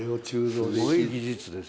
すごい技術ですよ。